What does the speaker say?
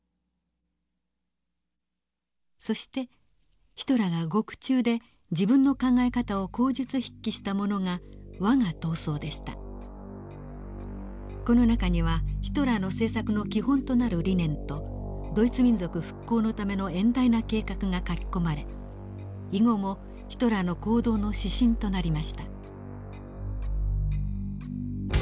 そしてヒトラーが獄中で自分の考え方を口述筆記したものがこの中にはヒトラーの政策の基本となる理念とドイツ民族復興のための遠大な計画が書き込まれ以後もヒトラーの行動の指針となりました。